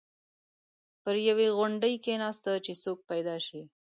پر یوې غونډۍ کېناسته چې څوک پیدا شي.